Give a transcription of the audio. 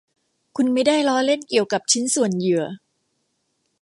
คุณไม่ได้ล้อเล่นเกี่ยวกับชิ้นส่วนเหยื่อ